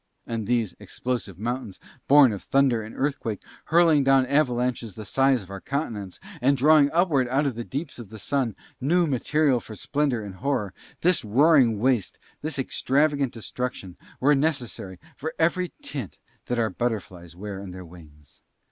And these explosive mountains, born of thunder and earthquake, hurling down avalanches the size of our continents, and drawing upward out of the deeps of the Sun new material for splendour and horror, this roaring waste, this extravagant destruction, were necessary for every tint that our butterflies wear on their wings.